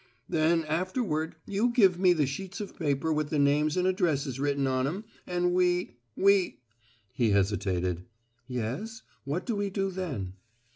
"Then afterward, you give me the sheets of paper with the names and addresses written on 'em, and we we " He hesitated. "Yes. What do we do then?"